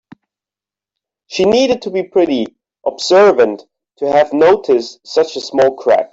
She needed to be pretty observant to have noticed such a small crack.